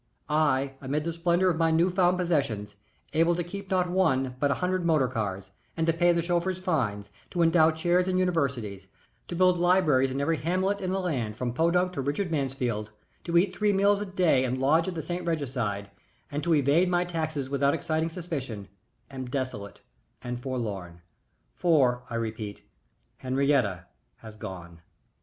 I, amid the splendor of my new found possessions, able to keep not one but a hundred motor cars, and to pay the chauffeur's fines, to endow chairs in universities, to build libraries in every hamlet in the land from Podunk to Richard Mansfield, to eat three meals a day and lodge at the St. Regicide, and to evade my taxes without exciting suspicion, am desolate and forlorn, for, I repeat, Henriette has gone!